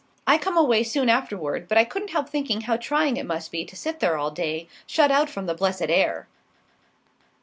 I come away soon afterward; but I couldn't help thinking how trying it must be to sit there all day, shut out from the blessed air!"